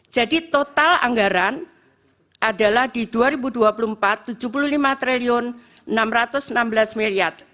jadi total anggaran adalah di dua ribu dua puluh empat tujuh puluh lima enam ratus enam belas rupiah